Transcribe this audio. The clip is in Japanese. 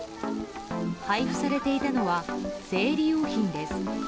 配布されていたのは生理用品です。